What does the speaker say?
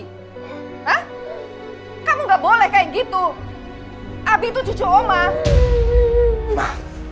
hai kamu nggak boleh kayak gitu abi itu cucu oma